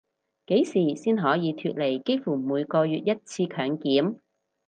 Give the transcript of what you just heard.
幾時先可以脫離幾乎每個月一次強檢